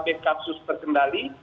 karena ini kasus terkendali